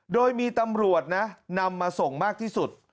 โดยมีตำรวจนะนำมาส่งมากที่สุด